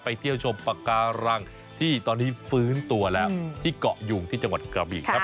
เที่ยวชมปากการังที่ตอนนี้ฟื้นตัวแล้วที่เกาะยุงที่จังหวัดกระบีครับ